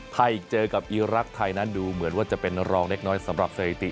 ไทยเจอกับอีรักษ์ไทยนั้นดูเหมือนว่าจะเป็นรองเล็กน้อยสำหรับสถิติ